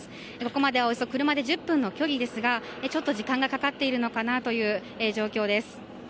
ここまでは、車でおよそ１０分の距離ですが時間がかかっているのかなという状況です。